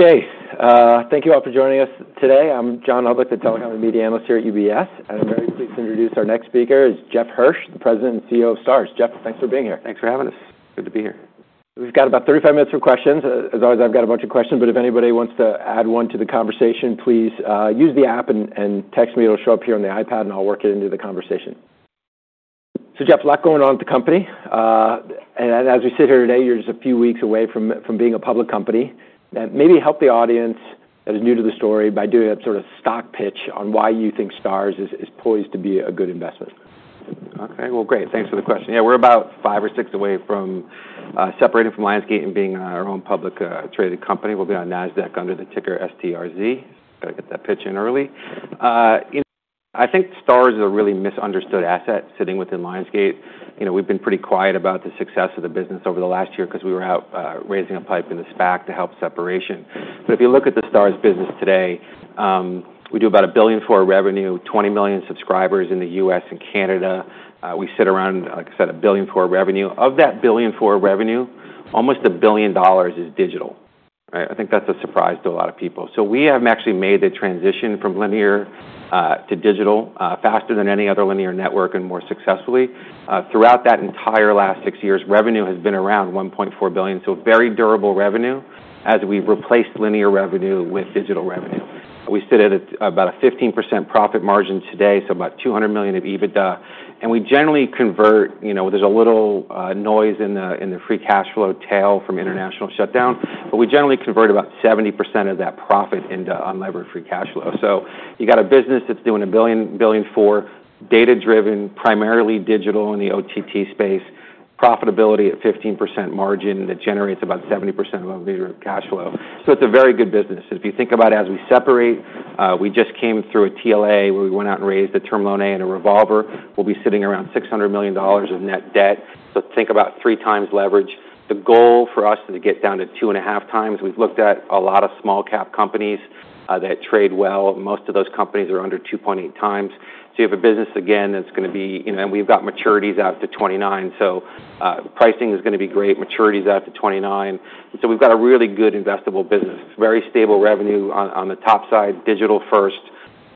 Okay. Thank you all for joining us today. I'm John Hodulik, the telecom and media analyst here at UBS. And I'm very pleased to introduce our next speaker, Jeff Hirsch, the President and CEO of Starz. Jeff, thanks for being here. Thanks for having us. Good to be here. We've got about 35 minutes for questions. As always, I've got a bunch of questions, but if anybody wants to add one to the conversation, please use the app and text me. It'll show up here on the iPad, and I'll work it into the conversation. So, Jeff, a lot going on at the company. And as we sit here today, you're just a few weeks away from being a public company. Maybe help the audience that is new to the story by doing a stock pitch on why you think Starz is poised to be a good investment. Okay. Great. Thanks for the question. Yeah, we're about five or six away from separating from Lionsgate and being our own publicly traded company. We'll be on NASDAQ under the ticker STRZ. Got to get that pitch in early. I think Starz is a really misunderstood asset sitting within Lionsgate. We've been pretty quiet about the success of the business over the last year because we were out raising a PIPE in the SPAC to help separation. But if you look at the Starz business today, we do about $1 billion in revenue, 20 million subscribers in the U.S. and Canada. We sit around, like I said, $1 billion in revenue. Of that $1 billion in revenue, almost $1 billion is digital. I think that's a surprise to a lot of people. So we have actually made the transition from linear to digital faster than any other linear network and more successfully. Throughout that entire last six years, revenue has been around $1.4 billion. So very durable revenue as we've replaced linear revenue with digital revenue. We sit at about a 15% profit margin today, so about $200 million of EBITDA. And we generally convert, there's a little noise in the free cash flow tail from international shutdown, but we generally convert about 70% of that profit into unlevered free cash flow. So you've got a business that's doing $1.4 billion data-driven, primarily digital in the OTT space, profitability at 15% margin that generates about 70% of our cash flow. So it's a very good business. If you think about it, as we separate, we just came through a TLA where we went out and raised a Term Loan A and a revolver. We'll be sitting around $600 million of net debt. So think about three times leverage. The goal for us is to get down to two and a half times. We've looked at a lot of small-cap companies that trade well. Most of those companies are under 2.8 times. So you have a business, again, that's going to be, and we've got maturities out to 2029. So pricing is going to be great. Maturities out to 2029. So we've got a really good investable business. Very stable revenue on the top side, digital first,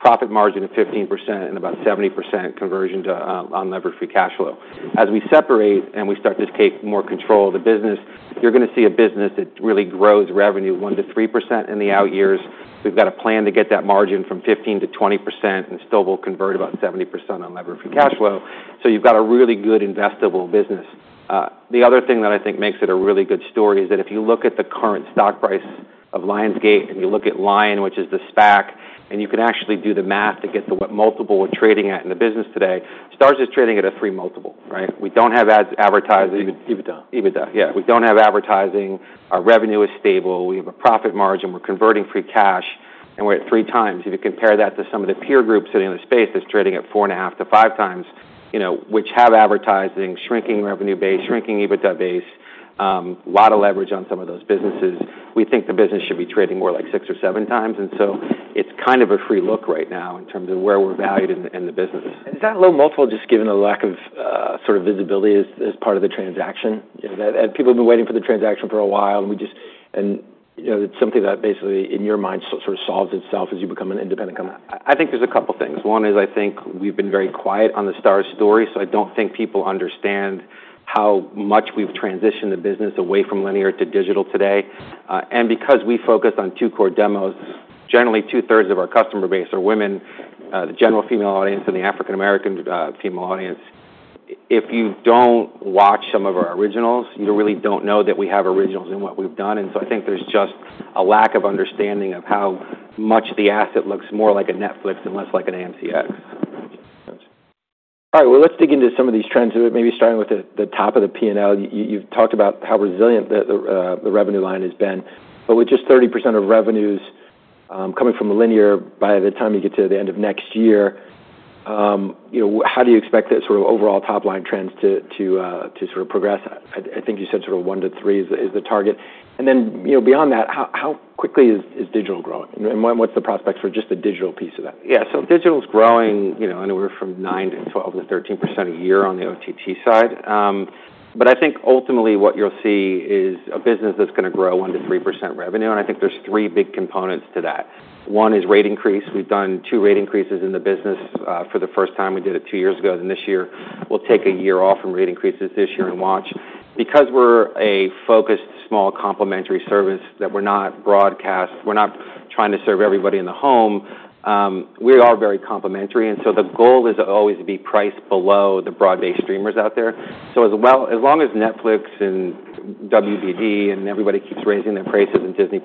profit margin of 15%, and about 70% conversion to unlevered free cash flow. As we separate and we start to take more control of the business, you're going to see a business that really grows revenue 1%-3% in the out years. We've got a plan to get that margin from 15%-20%, and still we'll convert about 70% unlevered free cash flow. So you've got a really good investable business. The other thing that I think makes it a really good story is that if you look at the current stock price of Lionsgate and you look at Lion, which is the SPAC, and you can actually do the math to get to what multiple we're trading at in the business today, Starz is trading at a three multiple. We don't have ads, advertising EBITDA. EBITDA. Yeah. We don't have advertising. Our revenue is stable. We have a profit margin. We're converting free cash, and we're at three times. If you compare that to some of the peer groups sitting in the space that's trading at 4.5-5 times, which have advertising, shrinking revenue base, shrinking EBITDA base, a lot of leverage on some of those businesses, we think the business should be trading more like six or seven times. And so it's kind of a free look right now in terms of where we're valued in the business. Is that low multiple just given the lack of visibility as part of the transaction? People have been waiting for the transaction for a while, and it's something that basically, in your mind, sort of solves itself as you become an independent company. I think there's a couple of things. One is I think we've been very quiet on the Starz story, so I don't think people understand how much we've transitioned the business away from linear to digital today. And because we focused on two core demos, generally two-thirds of our customer base are women, the general female audience, and the African-American female audience. If you don't watch some of our originals, you really don't know that we have originals in what we've done. And so I think there's just a lack of understanding of how much the asset looks more like a Netflix and less like an AMCX. All right. Well, let's dig into some of these trends. Maybe starting with the top of the P&L, you've talked about how resilient the revenue line has been. But with just 30% of revenues coming from linear by the time you get to the end of next year, how do you expect that overall top-line trends to progress? I think you said one to three is the target. And then beyond that, how quickly is digital growing? And what's the prospects for just the digital piece of that? Yeah. So digital is growing anywhere from 9% to 12% to 13% a year on the OTT side. But I think ultimately what you'll see is a business that's going to grow 1%-3% revenue. And I think there's three big components to that. One is rate increase. We've done two rate increases in the business. For the first time, we did it two years ago. Then this year, we'll take a year off from rate increases this year and watch. Because we're a focused small complementary service that we're not broadcast, we're not trying to serve everybody in the home, we are very complementary. And so the goal is always to be priced below the broad-based streamers out there. As long as Netflix and WBD and everybody keeps raising their prices and Disney+,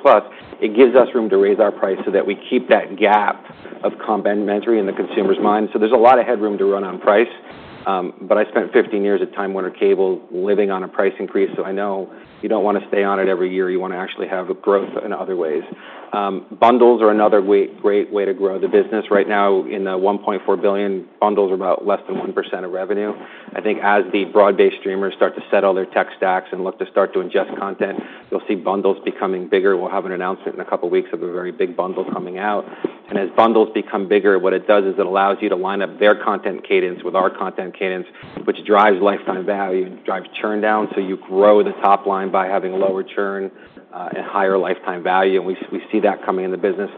it gives us room to raise our price so that we keep that gap of complementary in the consumer's mind. So there's a lot of headroom to run on price. But I spent 15 years at Time Warner Cable living on a price increase, so I know you don't want to stay on it every year. You want to actually have growth in other ways. Bundles are another great way to grow the business. Right now, in the $1.4 billion, bundles are about less than 1% of revenue. I think as the broad-based streamers start to settle their tech stacks and look to start to ingest content, you'll see bundles becoming bigger. We'll have an announcement in a couple of weeks of a very big bundle coming out. And as bundles become bigger, what it does is it allows you to line up their content cadence with our content cadence, which drives lifetime value and drives churn down. So you grow the top line by having lower churn and higher lifetime value. And we see that coming in the business.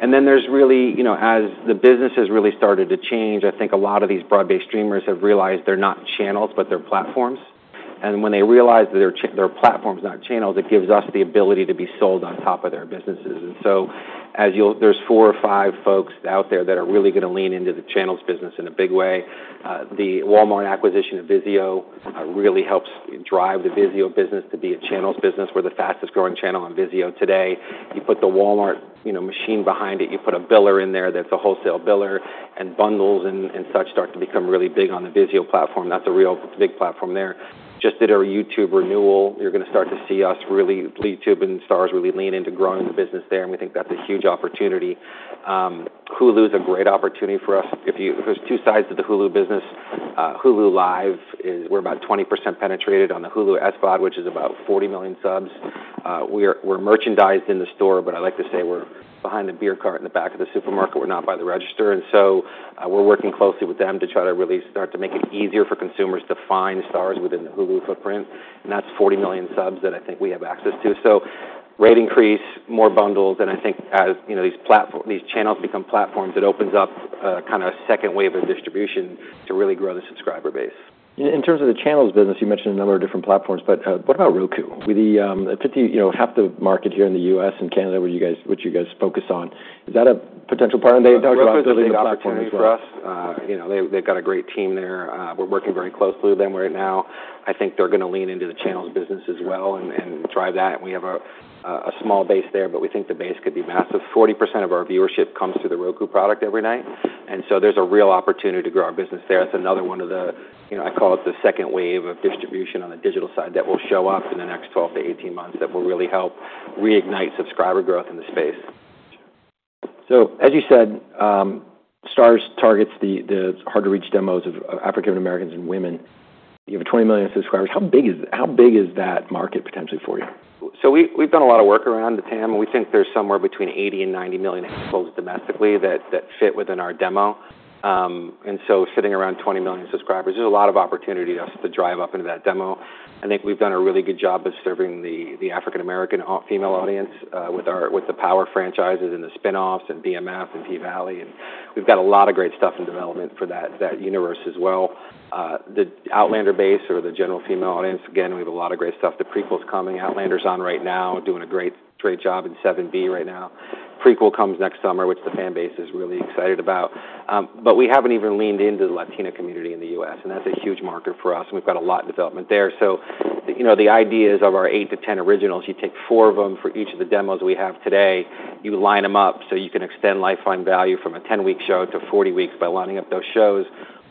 And then there's really, as the business has really started to change, I think a lot of these broad-based streamers have realized they're not channels, but they're platforms. And when they realize that their platform is not channels, it gives us the ability to be sold on top of their businesses. And so there's four or five folks out there that are really going to lean into the channels business in a big way. The Walmart acquisition of Vizio really helps drive the Vizio business to be a channels business. We're the fastest growing channel on Vizio today. You put the Walmart machine behind it. You put a biller in there that's a wholesale biller, and bundles and such start to become really big on the Vizio platform. That's a real big platform there. Just did our YouTube renewal. You're going to start to see us really. YouTube and Starz really lean into growing the business there. And we think that's a huge opportunity. Hulu is a great opportunity for us. There's two sides to the Hulu business. Hulu Live is where about 20% penetrated on the Hulu SVOD, which is about 40 million subs. We're merchandised in the store, but I like to say we're behind the beer cart in the back of the supermarket. We're not by the register. And so we're working closely with them to try to start to make it easier for consumers to find Starz within the Hulu footprint. That's 40 million subs that I think we have access to. Rate increase, more bundles. I think as these channels become platforms, it opens up kind of a second wave of distribution to really grow the subscriber base. In terms of the channels business, you mentioned a number of different platforms, but what about Roku? The 50%, half the market here in the U.S. and Canada, which you guys focus on, is that a potential partner they can talk about building the platform as well? Roku is a great partner for us. They've got a great team there. We're working very closely with them right now. I think they're going to lean into the channels business as well and drive that. We have a small base there, but we think the base could be massive. 40% of our viewership comes through the Roku product every night. And so there's a real opportunity to grow our business there. That's another one of the, I call it, the second wave of distribution on the digital side that will show up in the next 12-18 months that will really help reignite subscriber growth in the space. So as you said, Starz targets the hard-to-reach demos of African-Americans and women. You have 20 million subscribers. How big is that market potentially for you? So we've done a lot of work around the TAM. We think there's somewhere between 80 and 90 million exposed domestically that fit within our demo. And so sitting around 20 million subscribers, there's a lot of opportunity to us to drive up into that demo. I think we've done a really good job of serving the African-American female audience with the Power franchises and the spinoffs and BMF and P-Valley. And we've got a lot of great stuff in development for that universe as well. The Outlander base or the general female audience, again, we have a lot of great stuff. The prequel's coming. Outlander's on right now, doing a great job in 7B right now. Prequel comes next summer, which the fan base is really excited about. But we haven't even leaned into the Latina community in the U.S. And that's a huge market for us. And we've got a lot in development there. So the idea is of our eight to 10 originals, you take four of them for each of the demos we have today. You line them up so you can extend lifetime value from a 10-week show to 40 weeks by lining up those shows.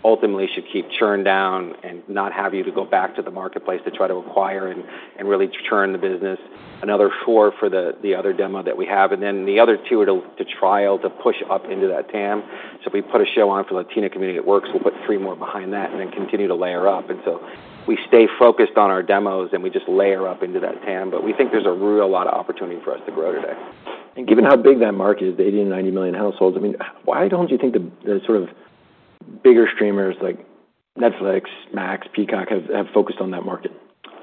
Ultimately, it should keep churn down and not have you to go back to the marketplace to try to acquire and really churn the business. Another four for the other demo that we have. And then the other two are to trial to push up into that TAM. So if we put a show on for the Latina community that works, we'll put three more behind that and then continue to layer up. And so we stay focused on our demos, and we just layer up into that TAM. We think there's a real lot of opportunity for us to grow today. Given how big that market is, the 80 and 90 million households, why don't you think the bigger streamers like Netflix, Max, Peacock have focused on that market?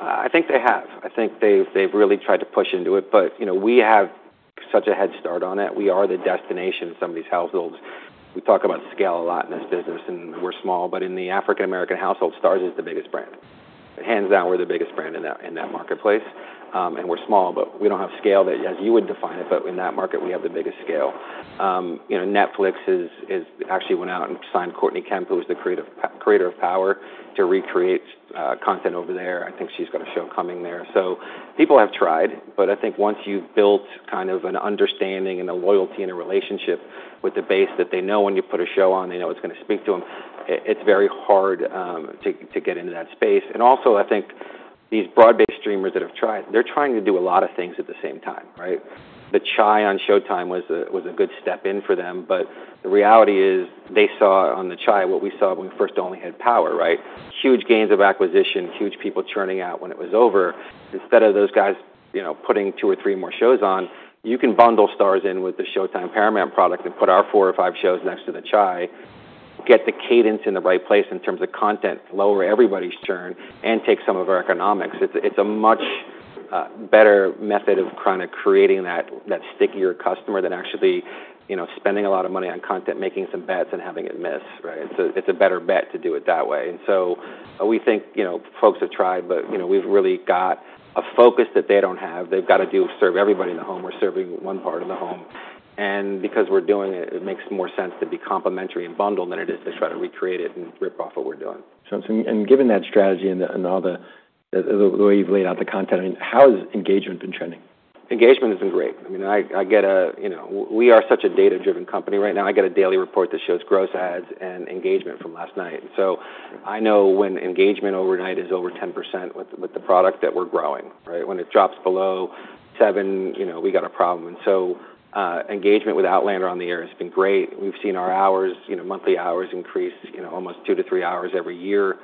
I think they have. I think they've really tried to push into it. But we have such a head start on it. We are the destination of some of these households. We talk about scale a lot in this business, and we're small. But in the African-American household, Starz is the biggest brand. Hands down, we're the biggest brand in that marketplace. And we're small, but we don't have scale as you would define it. But in that market, we have the biggest scale. Netflix actually went out and signed Courtney Kemp, who is the creator of Power, to recreate content over there. I think she's got a show coming there. So people have tried. But I think once you've built kind of an understanding and a loyalty and a relationship with the base that they know when you put a show on, they know it's going to speak to them, it's very hard to get into that space. And also, I think these broad-based streamers that have tried, they're trying to do a lot of things at the same time. The Chi on Showtime was a good step in for them. But the reality is they saw on The Chi what we saw when we first only had Power. Huge gains of acquisition, huge people churning out when it was over. Instead of those guys putting two or three more shows on, you can bundle Starz in with the Showtime Paramount product and put our four or five shows next to The Chi, get the cadence in the right place in terms of content, lower everybody's churn, and take some of our economics. It's a much better method of kind of creating that stickier customer than actually spending a lot of money on content, making some bets, and having it miss. It's a better bet to do it that way, and so we think folks have tried, but we've really got a focus that they don't have. They've got to serve everybody in the home. We're serving one part of the home, and because we're doing it, it makes more sense to be complementary and bundled than it is to try to recreate it and rip off what we're doing. Given that strategy and the way you've laid out the content, how has engagement been trending? Engagement has been great. We are such a data-driven company right now. I get a daily report that shows gross ads and engagement from last night, and so I know when engagement overnight is over 10% with the product that we're growing. When it drops below 7%, we got a problem, and so engagement with Outlander on the air has been great. We've seen our monthly hours increase almost two to three hours every year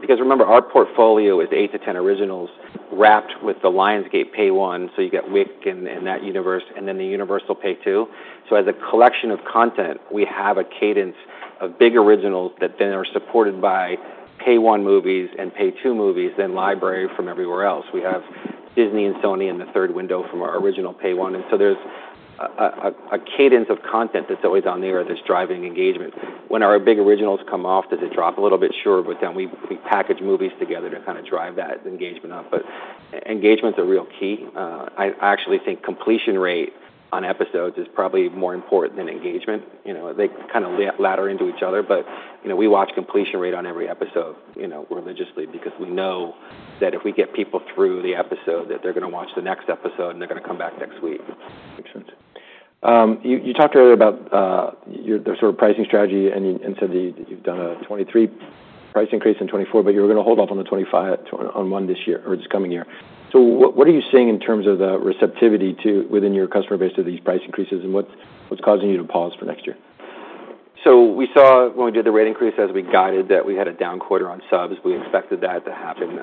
because remember, our portfolio is 8-10 originals wrapped with the Lionsgate Pay One, so you got Wick and that universe, and then the Universal Pay Two, so as a collection of content, we have a cadence of big originals that then are supported by Pay One movies and Pay Two movies, then library from everywhere else. We have Disney and Sony in the third window from our original Pay One. And so there's a cadence of content that's always on the air that's driving engagement. When our big originals come off, does it drop a little bit? Sure. But then we package movies together to kind of drive that engagement up. But engagement's a real key. I actually think completion rate on episodes is probably more important than engagement. They kind of ladder into each other. But we watch completion rate on every episode religiously because we know that if we get people through the episode, that they're going to watch the next episode, and they're going to come back next week. Makes sense. You talked earlier about the pricing strategy and said that you've done a 2023 price increase and 2024, but you were going to hold off on the 2025 one this year or this coming year. So what are you seeing in terms of the receptivity within your customer base to these price increases, and what's causing you to pause for next year? So we saw when we did the rate increase as we guided that we had a down quarter on subs. We expected that to happen.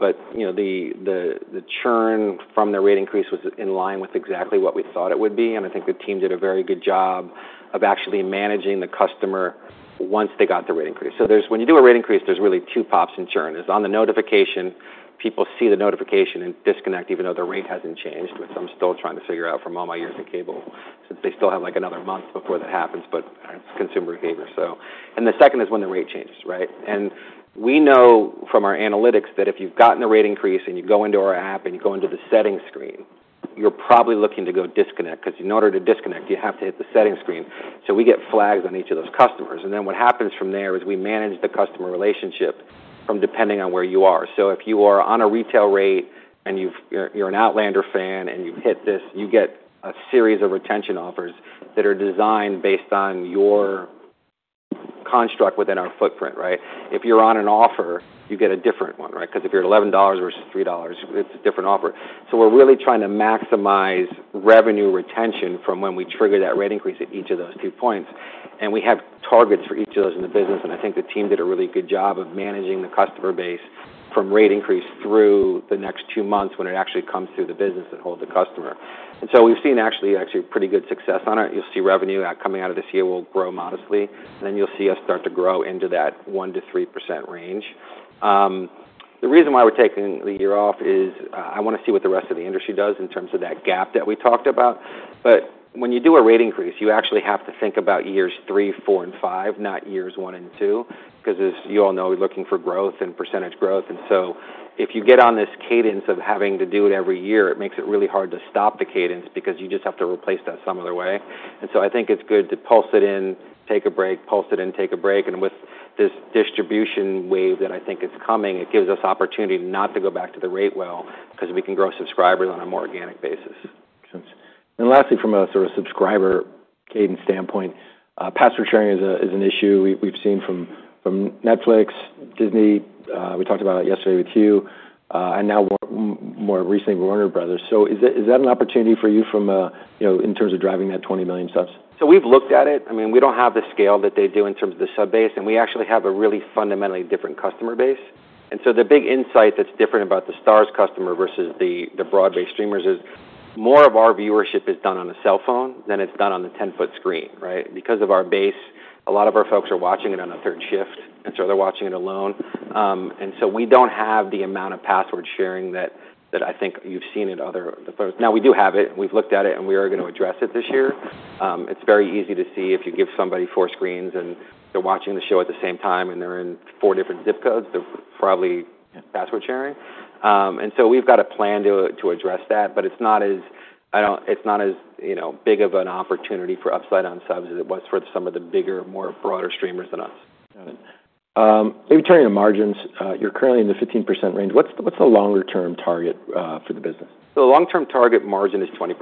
But the churn from the rate increase was in line with exactly what we thought it would be. And I think the team did a very good job of actually managing the customer once they got the rate increase. So when you do a rate increase, there's really two pops in churn. It's on the notification. People see the notification and disconnect even though the rate hasn't changed, which I'm still trying to figure out for my mother and Cable since they still have another month before that happens. But it's consumer behavior. And the second is when the rate changes. And we know from our analytics that if you've gotten the rate increase and you go into our app and you go into the settings screen, you're probably looking to go disconnect. Because in order to disconnect, you have to hit the settings screen. So we get flags on each of those customers. And then what happens from there is we manage the customer relationship from there, depending on where you are. So if you are on a retail rate and you're an Outlander fan and you hit this, you get a series of retention offers that are designed based on your construct within our footprint. If you're on an offer, you get a different one. Because if you're $11 versus $3, it's a different offer. So we're really trying to maximize revenue retention from when we trigger that rate increase at each of those two points. We have targets for each of those in the business. I think the team did a really good job of managing the customer base from rate increase through the next two months when it actually comes through the business and holds the customer. We've seen actually pretty good success on it. You'll see revenue coming out of this year will grow modestly. You'll see us start to grow into that 1%-3% range. The reason why we're taking the year off is I want to see what the rest of the industry does in terms of that gap that we talked about. When you do a rate increase, you actually have to think about years three, four, and five, not years one and two. Because as you all know, we're looking for growth and percentage growth. And so if you get on this cadence of having to do it every year, it makes it really hard to stop the cadence because you just have to replace that some other way. And so I think it's good to pulse it in, take a break, pulse it in, take a break. And with this distribution wave that I think is coming, it gives us opportunity not to go back to the rate well because we can grow subscribers on a more organic basis. Makes sense. And lastly, from a subscriber cadence standpoint, password sharing is an issue we've seen from Netflix, Disney. We talked about it yesterday with you, and now more recently Warner Bros. So is that an opportunity for you in terms of driving that 20 million subs? So we've looked at it. We don't have the scale that they do in terms of the sub base. And we actually have a really fundamentally different customer base. And so the big insight that's different about the Starz customer versus the broad-based streamers is more of our viewership is done on a cell phone than it's done on the 10-foot screen. Because of our base, a lot of our folks are watching it on a third shift. And so they're watching it alone. And so we don't have the amount of password sharing that I think you've seen in other places. Now, we do have it. We've looked at it, and we are going to address it this year. It's very easy to see if you give somebody four screens and they're watching the show at the same time and they're in four different zip codes, they're probably password sharing. And so we've got a plan to address that. But it's not as big of an opportunity for upside on subs as it was for some of the bigger, more broader streamers than us. Got it. Maybe turning to margins, you're currently in the 15% range. What's the longer-term target for the business? The long-term target margin is 20%.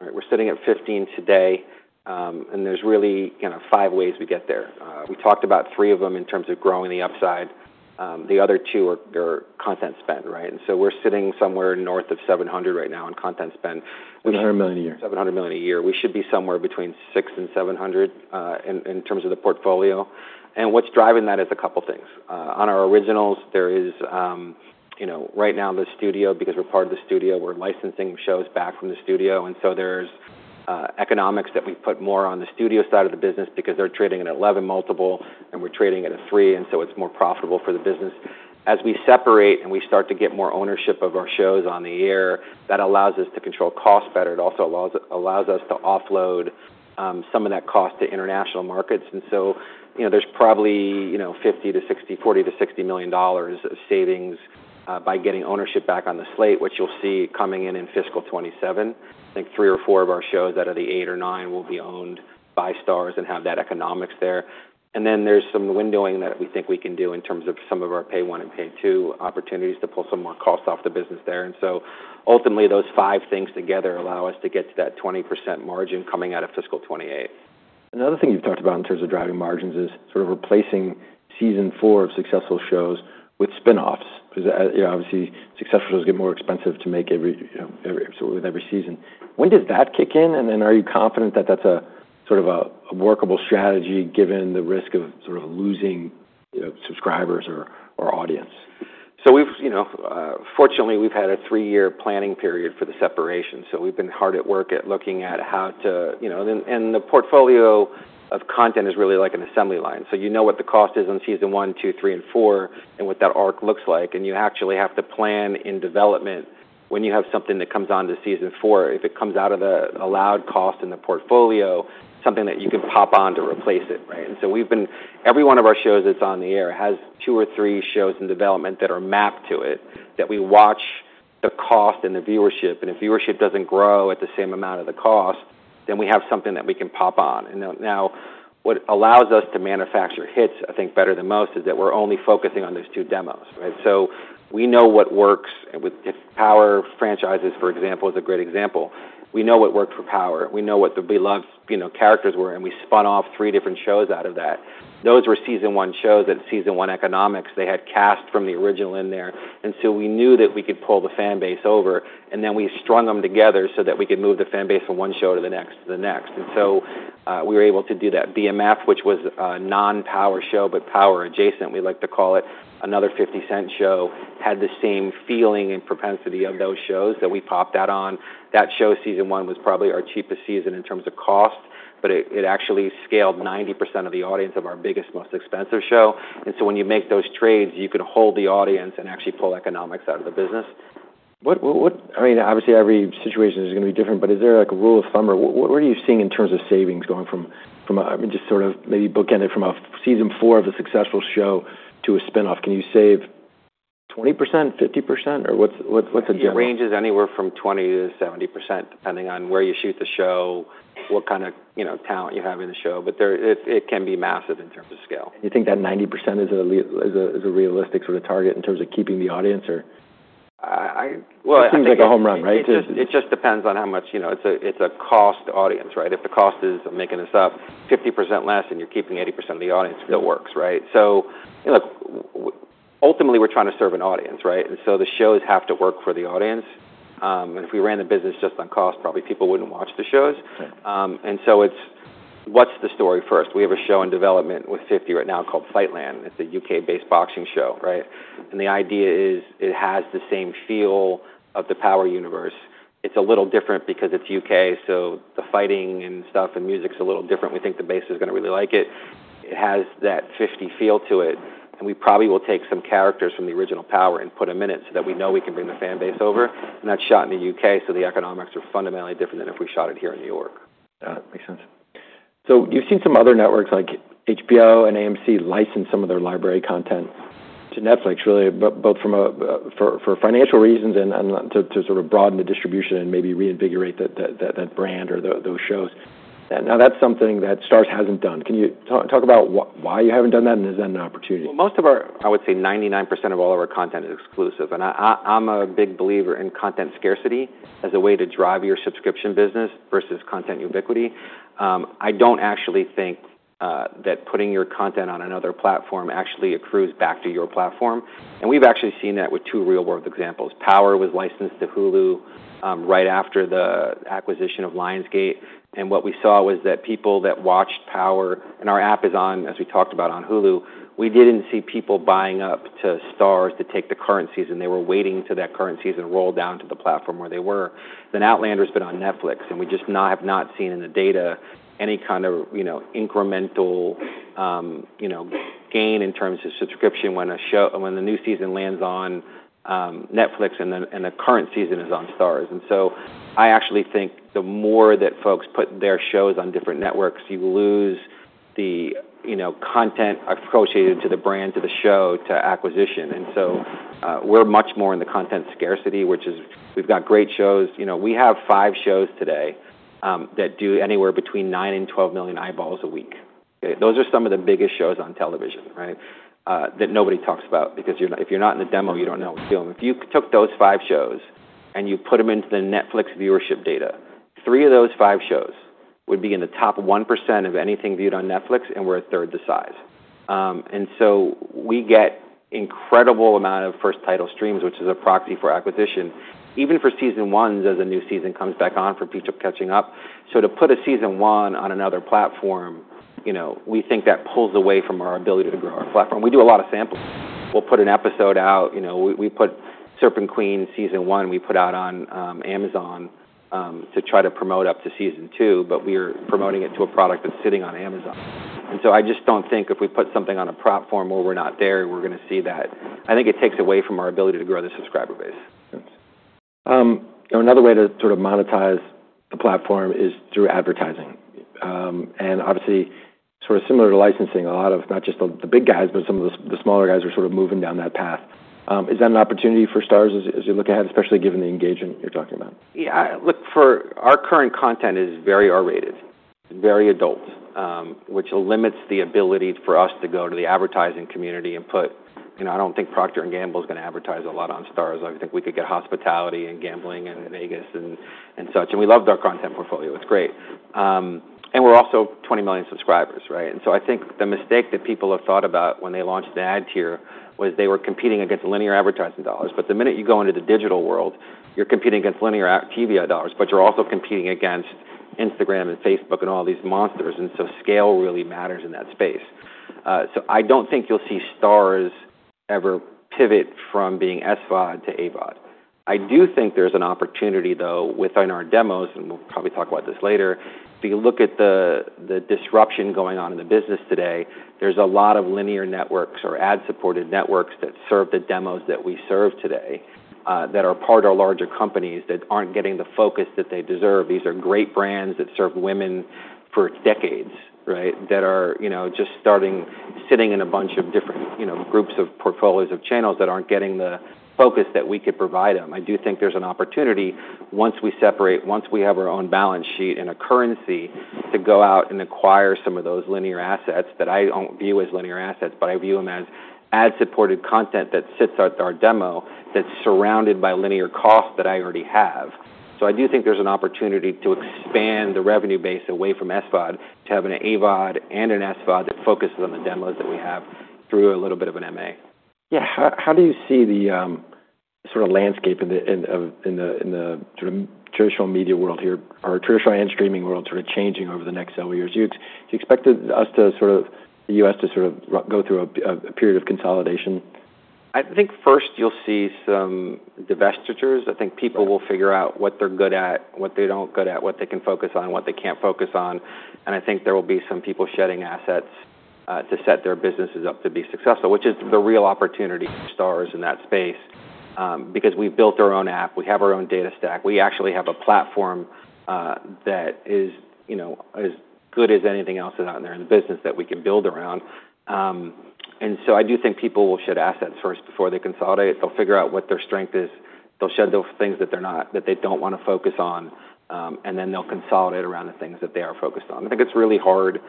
We're sitting at 15% today, and there's really kind of five ways we get there. We talked about three of them in terms of growing the upside. The other two are content spend, and so we're sitting somewhere north of $700 right now in content spend. $700 million a year. $700 million a year. We should be somewhere between 600 and 700 in terms of the portfolio. And what's driving that is a couple of things. On our originals, there is right now the studio, because we're part of the studio, we're licensing shows back from the studio. And so there's economics that we put more on the studio side of the business because they're trading at 11 multiple, and we're trading at a 3. And so it's more profitable for the business. As we separate and we start to get more ownership of our shows on the air, that allows us to control costs better. It also allows us to offload some of that cost to international markets. And so there's probably $40 to 60 million of savings by getting ownership back on the slate, which you'll see coming in in fiscal 2027. I think three or four of our shows out of the eight or nine will be owned by Starz and have that economics there. Then there's some windowing that we think we can do in terms of some of our Pay One and Pay Two opportunities to pull some more costs off the business there. Ultimately, those five things together allow us to get to that 20% margin coming out of fiscal 2028. Another thing you've talked about in terms of driving margins is replacing season four of successful shows with spinoffs. Obviously, successful shows get more expensive with every season. When does that kick in? And then are you confident that that's a workable strategy given the risk of losing subscribers or audience? Fortunately, we've had a three-year planning period for the separation. We've been hard at work at looking at how to, and the portfolio of content is really like an assembly line. You know what the cost is on season one, two, three, and four, and what that arc looks like. You actually have to plan in development when you have something that comes on to season four. If it comes out of the allowed cost in the portfolio, something that you can pop on to replace it. Every one of our shows that's on the air has two or three shows in development that are mapped to it that we watch the cost and the viewership. If viewership doesn't grow at the same amount of the cost, then we have something that we can pop on. And now, what allows us to manufacture hits, I think, better than most is that we're only focusing on those two demos. So we know what works. Power franchise, for example, is a great example. We know what worked for Power. We know what the beloved characters were. And we spun off three different shows out of that. Those were season one shows that season one economics, they had cast from the original in there. And so we knew that we could pull the fan base over. And then we strung them together so that we could move the fan base from one show to the next to the next. And so we were able to do that. BMF, which was a non-Power show but Power adjacent, we like to call it, another 50 Cent show, had the same feeling and propensity of those shows that we popped out on. That show, season one, was probably our cheapest season in terms of cost. But it actually scaled 90% of the audience of our biggest, most expensive show. And so when you make those trades, you can hold the audience and actually pull economics out of the business. Obviously, every situation is going to be different. But is there a rule of thumb? Or what are you seeing in terms of savings going from just maybe bookend it from a season four of a successful show to a spinoff? Can you save 20%, 50%? Or what's a general? It ranges anywhere from 20%-70% depending on where you shoot the show, what kind of talent you have in the show, but it can be massive in terms of scale. You think that 90% is a realistic target in terms of keeping the audience? Well. Seems like a home run, right? It just depends on how much it's a cost audience. If the cost is, I'm making this up, 50% less and you're keeping 80% of the audience, it works. So ultimately, we're trying to serve an audience. And so the shows have to work for the audience. And if we ran the business just on cost, probably people wouldn't watch the shows. And so what's the story first? We have a show in development with 50 right now called Fightland. It's a UK-based boxing show. And the idea is it has the same feel of the Power universe. It's a little different because it's UK. So the fighting and stuff and music's a little different. We think the base is going to really like it. It has that 50 feel to it. We probably will take some characters from the original Power and put them in it so that we know we can bring the fan base over. That's shot in the UK. The economics are fundamentally different than if we shot it here in New York. Got it. Makes sense. So you've seen some other networks like HBO and AMC license some of their library content to Netflix, really, both for financial reasons and to broaden the distribution and maybe reinvigorate that brand or those shows. Now, that's something that Starz hasn't done. Can you talk about why you haven't done that and is that an opportunity? Most of our, I would say 99% of all of our content is exclusive. I'm a big believer in content scarcity as a way to drive your subscription business versus content ubiquity. I don't actually think that putting your content on another platform actually accrues back to your platform. We've actually seen that with two real-world examples. Power was licensed to Hulu right after the acquisition of Lionsgate. What we saw was that people that watched Power on our app, as we talked about, is on Hulu. We didn't see people buying up to Starz to catch the current season. They were waiting for that current season to roll down to the platform where they were. Outlander has been on Netflix. We just have not seen in the data any kind of incremental gain in terms of subscription when the new season lands on Netflix and the current season is on Starz. And so I actually think the more that folks put their shows on different networks, you lose the content associated to the brand, to the show, to acquisition. And so we're much more in the content scarcity, which is we've got great shows. We have five shows today that do anywhere between nine and 12 million eyeballs a week. Those are some of the biggest shows on television that nobody talks about. Because if you're not in the demo, you don't know what's doing. If you took those five shows and you put them into the Netflix viewership data, three of those five shows would be in the top 1% of anything viewed on Netflix and were a third the size, and so we get an incredible amount of first title streams, which is a proxy for acquisition, even for season ones as a new season comes back on for people catching up, so to put a season one on another platform, we think that pulls away from our ability to grow our platform. We do a lot of sampling. We'll put an episode out. We put Serpent Queen season one, we put out on Amazon to try to promote up to season two, but we are promoting it to a product that's sitting on Amazon. And so I just don't think if we put something on a platform where we're not there, we're going to see that. I think it takes away from our ability to grow the subscriber base. Makes sense. Another way to monetize the platform is through advertising. And obviously, similar to licensing, a lot of not just the big guys, but some of the smaller guys are moving down that path. Is that an opportunity for Starz as you look ahead, especially given the engagement you're talking about? Yeah. Look, our current content is very R-rated and very adult, which limits the ability for us to go to the advertising community and put. I don't think Procter & Gamble is going to advertise a lot on Starz. I think we could get hospitality and gambling and Vegas and such. And we love their content portfolio. It's great. And we're also 20 million subscribers. And so I think the mistake that people have thought about when they launched the ad tier was they were competing against linear advertising dollars. But the minute you go into the digital world, you're competing against linear TV dollars. But you're also competing against Instagram and Facebook and all these monsters. And so scale really matters in that space. So I don't think you'll see Starz ever pivot from being SVOD to AVOD. I do think there's an opportunity, though, within our demos, and we'll probably talk about this later. If you look at the disruption going on in the business today, there's a lot of linear networks or ad-supported networks that serve the demos that we serve today that are part of our larger companies that aren't getting the focus that they deserve. These are great brands that served women for decades that are just sitting in a bunch of different groups of portfolios of channels that aren't getting the focus that we could provide them. I do think there's an opportunity once we separate, once we have our own balance sheet and a currency to go out and acquire some of those linear assets that I don't view as linear assets. But I view them as ad-supported content that sits at our demo that's surrounded by linear costs that I already have. So I do think there's an opportunity to expand the revenue base away from SVOD to have an AVOD and an SVOD that focuses on the demos that we have through a little bit of an M&A. Yeah. How do you see the landscape in the traditional media world here or traditional ad streaming world changing over the next several years? Do you expect the U.S. to go through a period of consolidation? I think first you'll see some divestitures. I think people will figure out what they're good at, what they're not good at, what they can focus on, what they can't focus on. And I think there will be some people shedding assets to set their businesses up to be successful, which is the real opportunity. Starz is in that space because we built our own app. We have our own data stack. We actually have a platform that is as good as anything else that's out there in the business that we can build around. And so I do think people will shed assets first before they consolidate. They'll figure out what their strength is. They'll shed those things that they don't want to focus on. And then they'll consolidate around the things that they are focused on. I think it's really hard.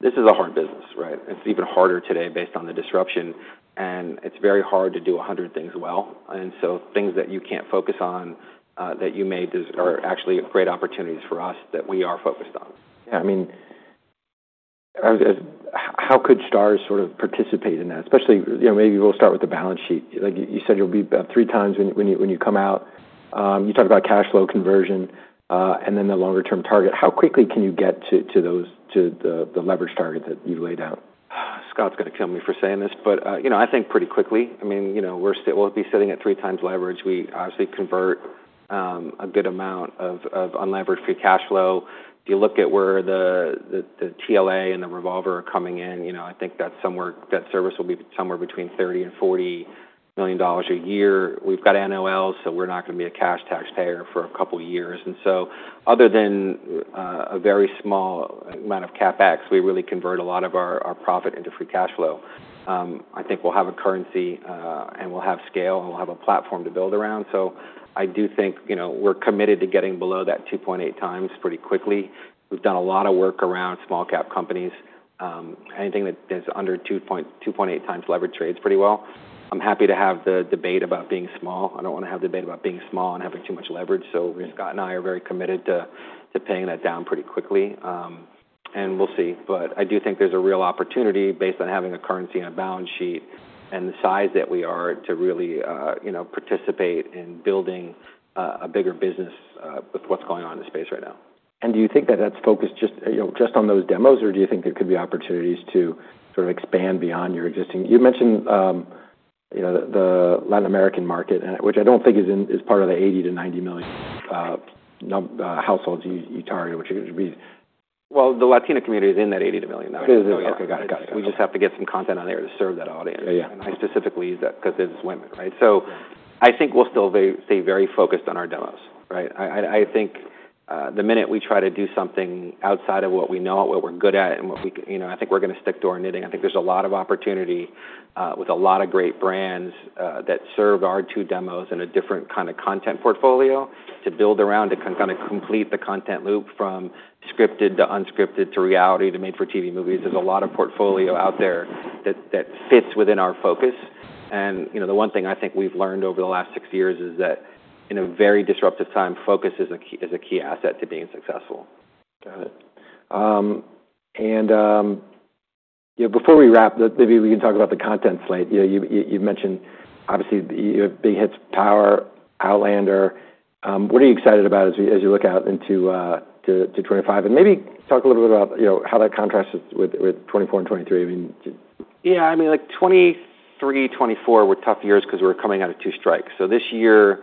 This is a hard business. It's even harder today based on the disruption, and it's very hard to do 100 things well, and so things that you can't focus on that you made are actually great opportunities for us that we are focused on. Yeah. I mean, how could Starz participate in that? Especially maybe we'll start with the balance sheet. You said it'll be about three times when you come out. You talked about cash flow conversion and then the longer-term target. How quickly can you get to the leverage target that you've laid out? Scott's going to kill me for saying this. But I think pretty quickly we'll be sitting at three times leverage. We obviously convert a good amount of unleveraged free cash flow. If you look at where the TLA and the revolver are coming in, I think that service will be somewhere between $30-$40 million a year. We've got NOLs. So we're not going to be a cash taxpayer for a couple of years. And so other than a very small amount of CapEx, we really convert a lot of our profit into free cash flow. I think we'll have a currency and we'll have scale and we'll have a platform to build around. So I do think we're committed to getting below that 2.8 times pretty quickly. We've done a lot of work around small-cap companies. Anything that's under 2.8 times leverage trades pretty well. I'm happy to have the debate about being small. I don't want to have the debate about being small and having too much leverage. So Scott and I are very committed to paying that down pretty quickly. And we'll see. But I do think there's a real opportunity based on having a currency and a balance sheet and the size that we are to really participate in building a bigger business with what's going on in the space right now. And do you think that that's focused just on those demos? Or do you think there could be opportunities to expand beyond your existing? You mentioned the Latin American market, which I don't think is part of the 80-90 million households you target, which would be. The Latino community is in that 80-100 million market. It is. Okay. Got it. Got it. We just have to get some content on there to serve that audience, and I specifically use that because it's women, so I think we'll still stay very focused on our demos. I think the minute we try to do something outside of what we know, what we're good at, and I think we're going to stick to our knitting. I think there's a lot of opportunity with a lot of great brands that serve our two demos in a different kind of content portfolio to build around to kind of complete the content loop from scripted to unscripted to reality to made for TV movies. There's a lot of portfolio out there that fits within our focus, and the one thing I think we've learned over the last six years is that in a very disruptive time, focus is a key asset to being successful. Got it. And before we wrap, maybe we can talk about the content slate. You've mentioned, obviously, you have Big Hits, Power, Outlander. What are you excited about as you look out into 2025? And maybe talk a little bit about how that contrasts with 2024 and 2023. Yeah. I mean, 2023, 2024 were tough years because we were coming out of two strikes, so this year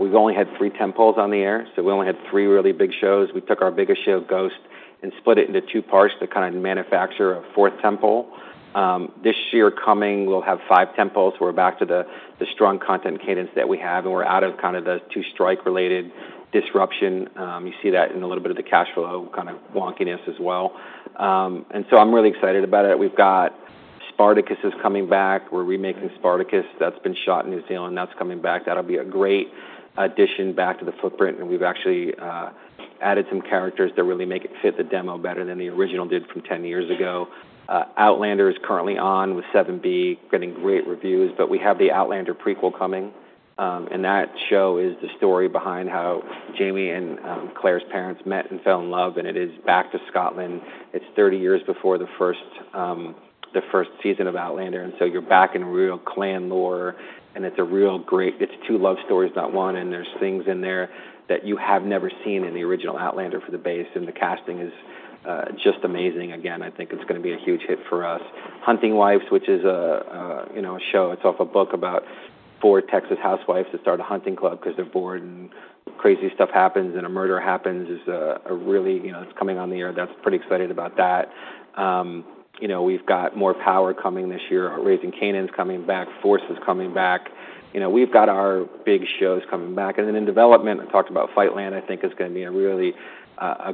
we've only had three tentpoles on the air, so we only had three really big shows. We took our biggest show, Ghost, and split it into two parts to kind of manufacture a fourth tentpole. This year coming, we'll have five tentpoles. We're back to the strong content cadence that we have, and we're out of kind of the two-strike-related disruption. You see that in a little bit of the cash flow kind of wonkiness as well, and so I'm really excited about it. We've got Spartacus coming back. We're remaking Spartacus. That's been shot in New Zealand. That's coming back. That'll be a great addition back to the footprint. We've actually added some characters that really make it fit the demo better than the original did from 10 years ago. Outlander is currently on with 7B, getting great reviews. We have the Outlander prequel coming. That show is the story behind how Jamie and Claire's parents met and fell in love. It is back to Scotland. It's 30 years before the first season of Outlander. You're back in real clan lore. It's really great. It's two love stories, not one. There's things in there that you have never seen in the original Outlander for the base. The casting is just amazing. I think it's going to be a huge hit for us. Hunting Wives, which is a show, it's off a book about four Texas housewives that start a hunting club because they're bored and crazy stuff happens and a murder happens, is a really. It's coming on the air. That's pretty exciting about that. We've got more Power coming this year. Raising Kanan's coming back. Force is coming back. We've got our big shows coming back. And then in development, I talked about Fightland. I think is going to be a really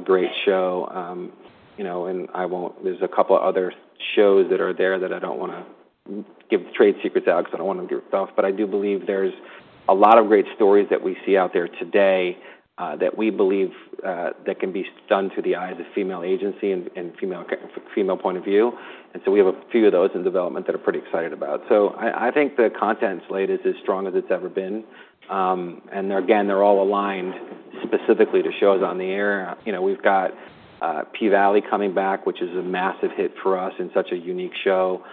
great show. And there's a couple of other shows that are there that I don't want to give trade secrets out because I don't want them to be revealed. But I do believe there's a lot of great stories that we see out there today that we believe that can be done through the eyes of female agency and female point of view. And so we have a few of those in development that are pretty excited about. So I think the content slate is as strong as it's ever been. And again, they're all aligned specifically to shows on the air. We've got P-Valley coming back, which is a massive hit for us and such a unique show.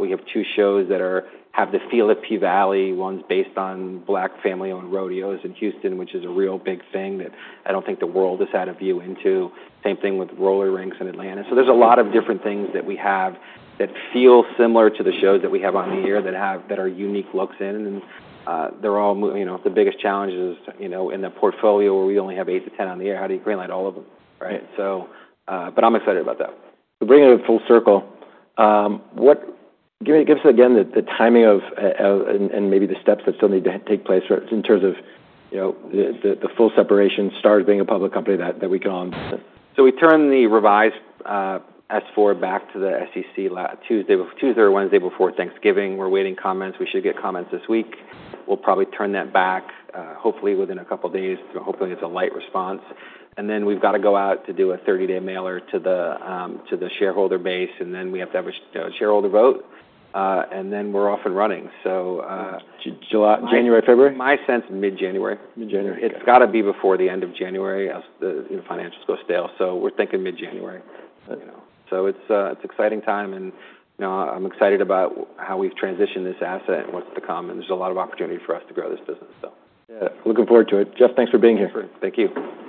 We have two shows that have the feel of P-Valley. One's based on Black family-owned rodeos in Houston, which is a real big thing that I don't think the world has had a view into. Same thing with roller rinks in Atlanta. So there's a lot of different things that we have that feel similar to the shows that we have on the air that are unique looks in. And they're all. The biggest challenge is in the portfolio where we only have 8 to 10 on the air. How do you greenlight all of them? But I'm excited about that. We're bringing it full circle. Give us again the timing and maybe the steps that still need to take place in terms of the full separation, Starz being a public company that we can all. We turn the revised S-4 back to the SEC Tuesday or Wednesday before Thanksgiving. We're waiting comments. We should get comments this week. We'll probably turn that back hopefully within a couple of days. Hopefully, it's a light response. Then we've got to go out to do a 30-day mailer to the shareholder base. Then we have to have a shareholder vote. Then we're off and running. January, February? My sense, mid-January. It's got to be before the end of January as the financials go stale. So we're thinking mid-January. So it's an exciting time. And I'm excited about how we've transitioned this asset and what's to come. And there's a lot of opportunity for us to grow this business. Yeah. Looking forward to it. Jeff, thanks for being here. Thank you.